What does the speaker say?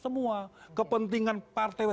semua kepentingan partai